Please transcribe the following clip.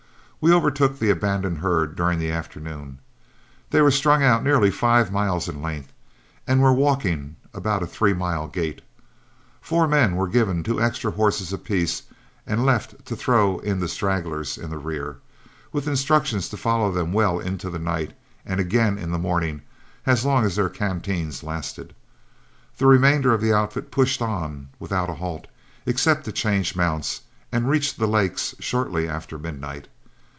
We overtook the abandoned herd during the afternoon. They were strung out nearly five miles in length, and were walking about a three mile gait. Four men were given two extra horses apiece and left to throw in the stragglers in the rear, with instructions to follow them well into the night, and again in the morning as long as their canteens lasted. The remainder of the outfit pushed on without a halt, except to change mounts, and reached the lakes shortly after midnight.